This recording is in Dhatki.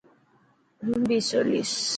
هون بي حصو ليسن.